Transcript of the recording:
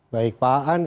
baik pak han